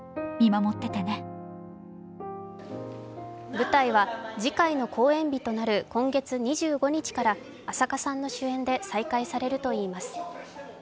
舞台は次回の公演日となる今月２５日から朝夏さんの主演で再開されるといいます。